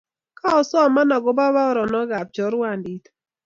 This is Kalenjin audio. Koosoman akopo paronok ap chorwandit ii?